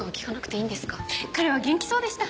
彼は元気そうでした。